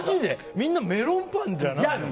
みんなメロンパンじゃないの。